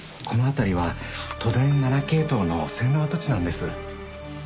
この辺りは都電７系統の線路跡地なんです。